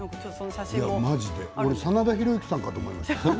まじで真田広之さんかと思いましたよ。